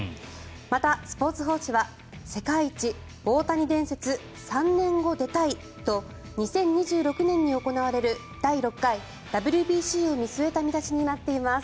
また、スポーツ報知は世界一、大谷伝説３年後出たいと２０２６年に行われる第６回ＷＢＣを見据えた見出しになっています。